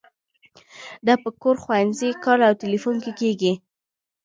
دا په کور، ښوونځي، کار او تیلیفون کې کیږي.